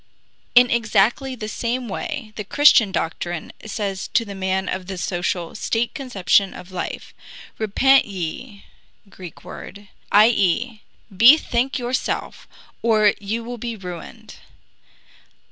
In exactly the same way the Christian doctrine says to the man of the social, state conception of life, Repent ye [GREEK WORD] i. e., bethink yourself, or you will be ruined.